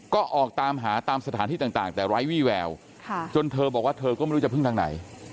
ก็ออกตามหาตามสถานที่ต่างแต่ไร้วี่แววจนเธอบอกว่าเธอก็ไม่รู้จะพึ่งทางไหน